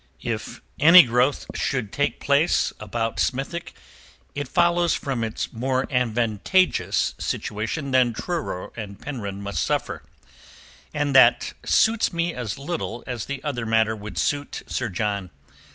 If any growth should take place about Smithick it follows from its more advantageous situation that Truro and Penryn must suffer, and that suits me as little as the other matter would suit Sir John.